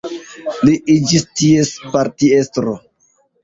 Li iĝis ties partiestro.